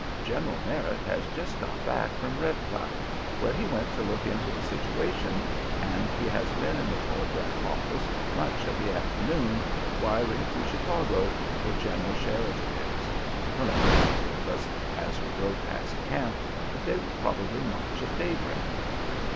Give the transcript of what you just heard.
"General Merritt has just got back from Red Cloud, where he went to look into the situation, and he has been in the telegraph office much of the afternoon wiring to Chicago, where General Sheridan is. Colonel Mason told us, as we drove past camp, that they would probably march at daybreak."